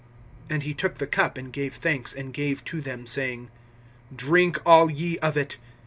(27)And he took the cup, and gave thanks, and gave to them, saying: Drink all ye of it.